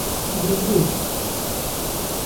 Dibide.